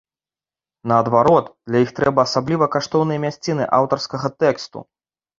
Наадварот, для іх гэта асабліва каштоўныя мясціны аўтарскага тэксту.